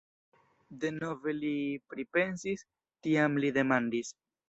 Denove li pripensis, tiam li demandis: